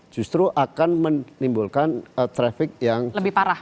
justru akan menimbulkan traffic yang lebih parah